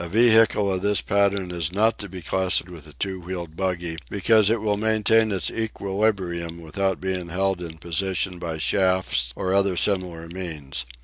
A vehicle of this pattern is not to be classed with a two wheeled buggy, because it will maintain its equilibrium without being held in position by shafts or other similar means.